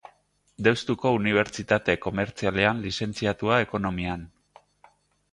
Deustuko Unibertsitate Komertzialean lizentziatua Ekonomian.